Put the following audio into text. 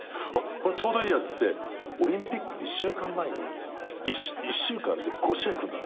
ちょうどいいやっつってオリンピックの１週間前に１週間で５試合組んだのよ。